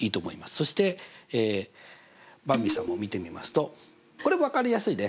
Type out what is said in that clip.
そしてばんびさんも見てみますとこれも分かりやすいね。